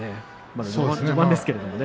まだ序盤ですけど。